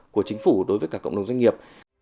của chính phủ đối với cả cộng đồng doanh nghiệp